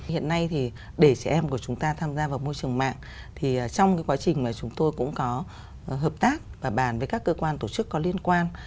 hiện nay thì để trẻ em của chúng ta tham gia vào môi trường mạng thì trong cái quá trình mà chúng tôi cũng có hợp tác và bàn với các cơ quan tổ chức có liên quan